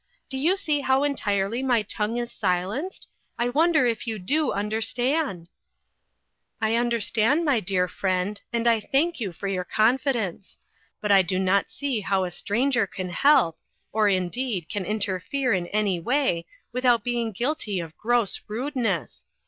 Do you see how entirely my tongue is silenced? I wonder if you do understand ?"" I understand, my dear friend, and I thank you for your confidence ; but I do not see how a stranger can help, or indeed, can interfere in any way, without being guilty of gross rudeness.